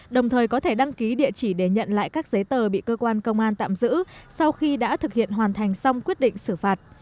đồng thời có thể đăng ký địa chỉ để nhận lại các giấy tờ bị cơ quan công an tạm giữ sau khi đã thực hiện hoàn thành xong quyết định xử phạt